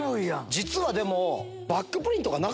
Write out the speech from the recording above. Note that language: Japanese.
実はでも。